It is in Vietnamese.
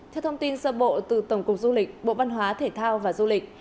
theo thông tin sơ bộ từ tổng cục du lịch bộ văn hóa thể thao và du lịch